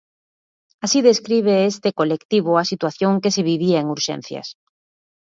Así describe este colectivo a situación que se vivía en Urxencias.